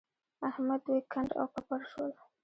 احمد دوی کنډ او کپر شول.